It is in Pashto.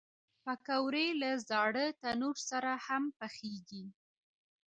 پکورې له زاړه تندور سره هم پخېږي